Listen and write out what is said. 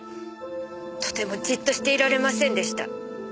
とてもじっとしていられませんでした。